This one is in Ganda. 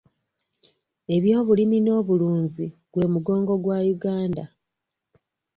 Eby'obulimi n'obulunzi gwe mugongo gwa Uganda.